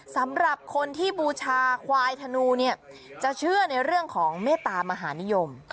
สำหรับคนที่บูชาควายธนูเนี่ยจะเชื่อในเรื่องของเมตตามหานิยม